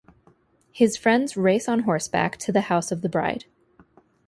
His friends race on horseback to the house of the bride.